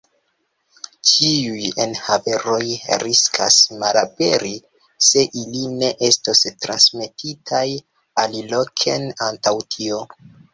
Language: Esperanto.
Ĉiuj enhaveroj riskas malaperi, se ili ne estos transmetitaj aliloken antaŭ tio.